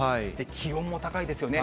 気温も高いですよね。